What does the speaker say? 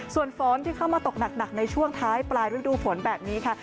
ส่วนฝนที่เข้ามาตกหนักในช่วงท้ายปลายฤดูฝนแบบนี้ค่ะ